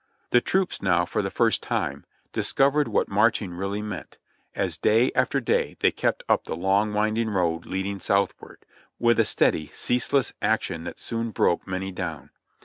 The troops now, for the first time, discovered what marching really meant, as day after day they kept up the long winding road leading southward, with a steady, ceaseless action that soon broke many down.